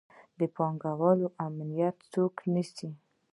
د پانګوالو امنیت څوک نیسي؟